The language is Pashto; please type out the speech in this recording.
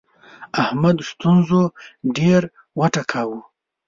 احمد ستونزو ډېر وټکاوو.